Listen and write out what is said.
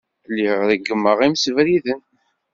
Lliɣ reggmeɣ imsebriden.